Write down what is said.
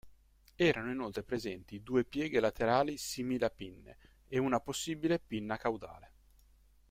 Erano inoltre presenti due pieghe laterali simili a pinne e una possibile pinna caudale.